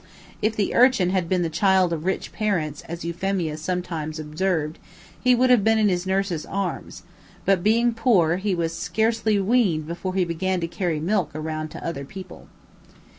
If the urchin had been the child of rich parents, as Euphemia sometimes observed, he would have been in his nurse's arms but being poor, he was scarcely weaned before he began to carry milk around to other people.